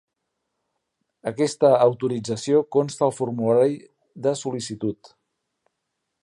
Aquesta autorització consta al formulari de sol·licitud.